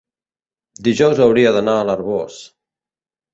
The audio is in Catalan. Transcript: dijous hauria d'anar a l'Arboç.